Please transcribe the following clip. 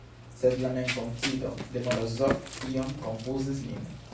Sed la memkonfido de Morozov iom konfuzis lin.